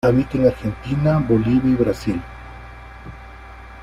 Habita en Argentina, Bolivia y Brasil.